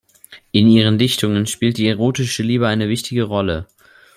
In ihren Dichtungen spielt die erotische Liebe eine wichtige Rolle.